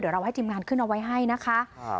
เดี๋ยวเราให้ทีมงานขึ้นเอาไว้ให้นะคะ